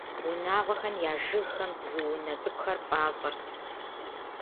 Унагъуэхэм я жыгхэм бзу унэ цӀыкӀухэр фӀащӀэрт.